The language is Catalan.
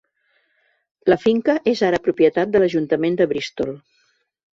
La finca és ara propietat de l'Ajuntament de Bristol.